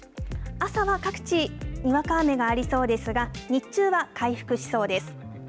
朝は各地、にわか雨がありそうですが、日中は回復しそうです。